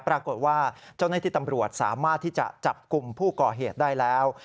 ปรากฏว่าเจ้าหน้าที่ตำรวจสามารถที่จะจับกลุ่มผู้ก่อเหตุได้แล้ว